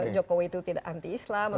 jokowi itu tidak anti islam